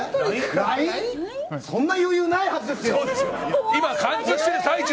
そんな余裕ないはずですよ。